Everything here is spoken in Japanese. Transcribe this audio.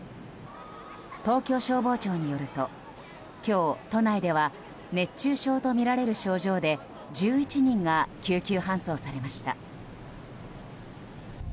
東京消防庁によると今日、都内では熱中症とみられる症状で１１人が救急搬送されました。